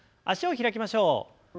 脚を開きましょう。